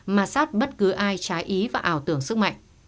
mà sát bất cứ ai trái ý và ảo tưởng sức mạnh